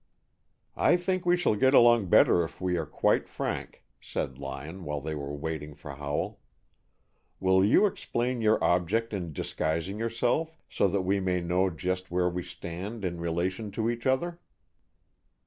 "I think we shall get along better if we are quite frank," said Lyon, while they were waiting for Howell. "Will you explain your object in disguising yourself, so that we may know just where we stand in relation to each other?"